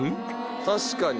確かに。